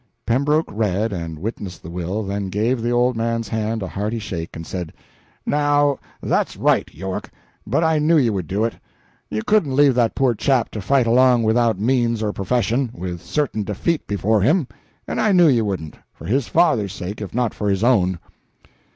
Pembroke read and witnessed the will, then gave the old man's hand a hearty shake and said: "Now that's right, York but I knew you would do it. You couldn't leave that poor chap to fight along without means or profession, with certain defeat before him, and I knew you wouldn't, for his father's sake if not for his own."